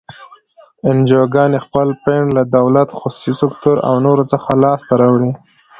انجوګانې خپل فنډ له دولت، خصوصي سکتور او نورو څخه لاس ته راوړي.